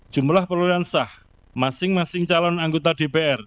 jumlah perolehan sah masing masing calon anggota dpr